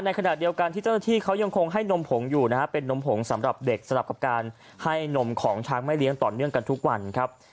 ในขณะเดียวกันที่เจ้าหน้าที่เขายังคงให้นมผงอยู่นะฮะเป็นนมผงสำหรับเด็กสำหรับกับการให้นมของช้างไม่เลี้ยงต่อเนื่องกันทุกวันครับ